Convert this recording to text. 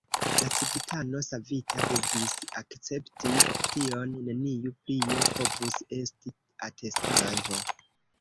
La civitano savita devis akcepti tion; neniu plie povus esti atestanto.